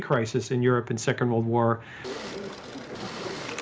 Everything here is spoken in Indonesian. krisis keamanan terbesar di eropa di ii wd